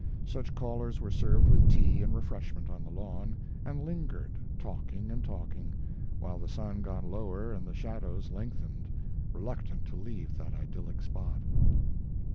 Such callers were served with tea and refreshment on the lawn, and lingered, talking and talking, while the sun got lower and the shadows lengthened, reluctant to leave that idyllic spot.